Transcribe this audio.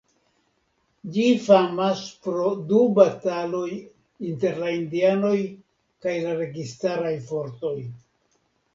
Ĝi famas pro du bataloj inter la indianoj kaj la registaraj fortoj.